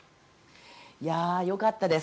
いやあ、よかったです。